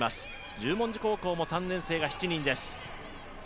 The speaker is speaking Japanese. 十文字高校も３年生が７人です。